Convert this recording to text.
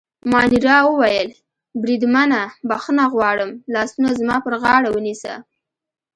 مانیرا وویل: بریدمنه، بخښنه غواړم، لاسونه زما پر غاړه ونیسه.